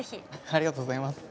ありがとうございます